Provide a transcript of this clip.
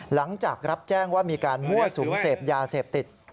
หลังจากรับแจ้งว่ามีการมั่วสุมเสพยาเสพติด